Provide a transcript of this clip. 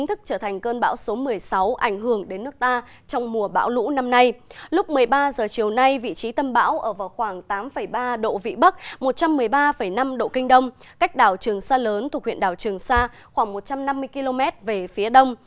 lúc một mươi ba h chiều nay vị trí tâm bão ở vào khoảng tám ba độ vĩ bắc một trăm một mươi ba năm độ kinh đông cách đảo trường sa lớn thuộc huyện đảo trường sa khoảng một trăm năm mươi km về phía đông